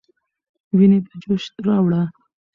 ويني په جوش راوړه.